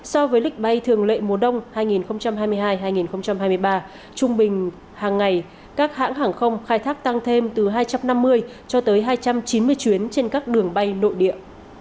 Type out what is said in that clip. so với lịch bay thường lệ mùa đông hai nghìn hai mươi hai hai nghìn hai mươi ba trung bình hàng ngày các hãng hàng không khai thác tăng thêm từ hai trăm năm mươi cho tới hai trăm chín mươi chuyến trên các đường bay nội địa